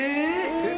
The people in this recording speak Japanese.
えっ！？